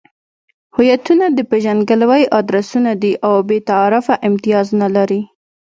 هویتونه د پېژندګلوۍ ادرسونه دي او بې تعارفه امتیاز نلري.